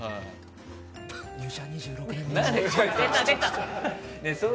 入社２６年目の。